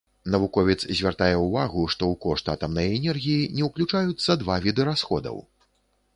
Навуковец звяртае ўвагу, што ў кошт атамнай энергіі не ўключаюцца два віды расходаў.